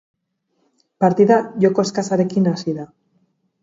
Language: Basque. Partida joko eskasarekin hasi da.